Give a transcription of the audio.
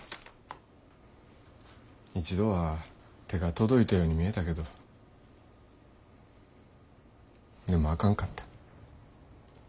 一度は手が届いたように見えたけどでもあかんかった。